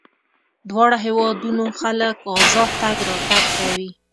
دواړو هېوادونو خلک ازاد تګ راتګ کوي.